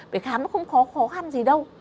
vì khám nó không có khó khăn gì đâu